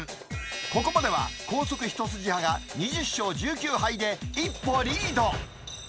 ここまでは高速一筋派が２０勝１９敗で、一歩リード。